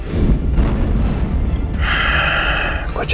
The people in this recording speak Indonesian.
gue jadi gak bisa tidur